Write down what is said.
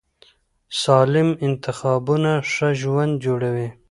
سالم انتخابونه ښه ژوند جوړوي.